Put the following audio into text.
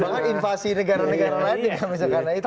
bahkan invasi negara negara lain juga misalkan itu